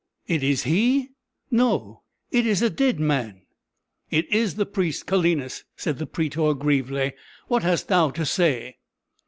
"It is he? No it is a dead man!" "It is the priest Calenus," said the prætor, gravely. "What hast thou to say?"